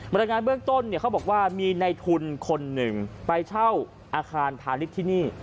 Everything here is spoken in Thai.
รายงานเบื้องต้นเขาบอกว่ามีในทุนคนหนึ่งไปเช่าอาคารพาณิชย์ที่นี่